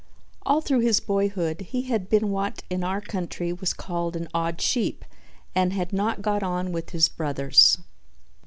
All through his boyhood he had been what in our country was called an "odd sheep" and had not got on with his brothers.